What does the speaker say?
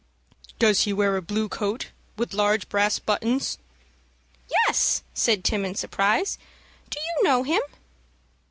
"Does he wear a blue coat, with large brass buttons?" "Yes," said Tim, in surprise. "Do you know him?"